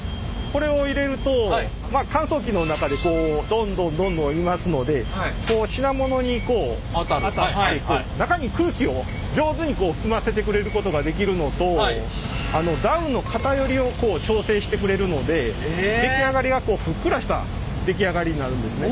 これを入れるとまあ乾燥機の中でこうどんどんどんどんいますので品物にこう当たって中に空気を上手に含ませてくれることができるのとダウンの偏りを調整してくれるので出来上がりがこうふっくらした出来上がりになるんですね。